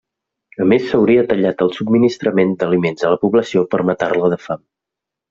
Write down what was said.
A més s'hauria tallat el subministrament d'aliments a la població per matar-la de fam.